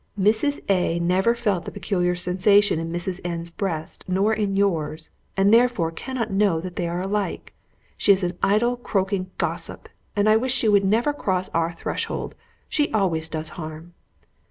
"Mrs. A neither felt the peculiar sensation in Mrs. N 's breast nor in yours; and, therefore, cannot know that they are alike. She is an idle, croaking gossip, and I wish she would never cross our threshold. She always does harm."